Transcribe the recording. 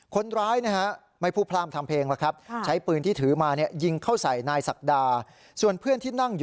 คนร้ายนะฮะไม่พูดพร่ามทำเพลงหรอกครับใช้พื้นที่ถือมายิงเข้าใส่นายศักดา